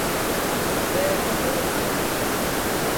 Sudayak anorÃ thi asan